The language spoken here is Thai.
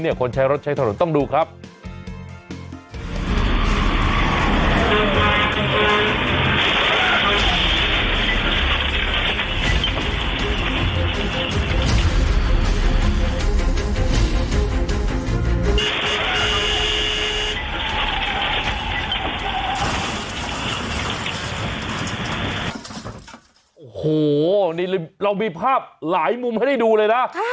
โอ้โหนี่เรามีภาพหลายมุมให้ได้ดูเลยนะ